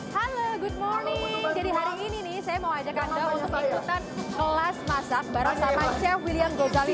halo good morning jadi hari ini nih saya mau ajak anda untuk ikutan kelas masak bareng sama chef william gozali